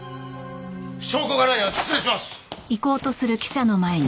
証拠がないなら失礼します！